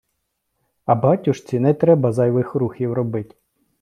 А батюшці не треба зайвих рухів робить.